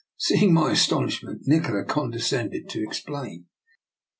Seeing my astonishment, Nikola condescend ed to explain.